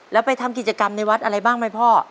แล้วไปทำกิจกรรมในวัดอะไรบ้างไหมพ่อ